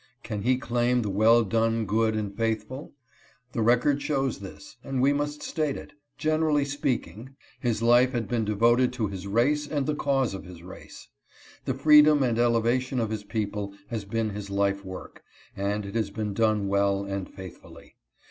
Can he claim the well done good and faithful? The record shows this, and we must state it, generally speaking, his life had been devoted to his race and the cause of his race. The free ' dom and elevation of his people has been his life work, and it has been done well and faithfully.